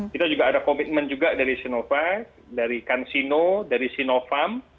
kita juga ada komitmen juga dari sinovac dari kansino dari sinovac